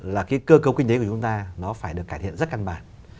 là cái cơ cấu kinh tế của chúng ta nó phải được cải thiện rất căn bản